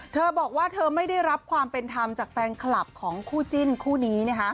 เธอบอกว่าเธอไม่ได้รับความเป็นธรรมจากแฟนคลับของคู่จิ้นคู่นี้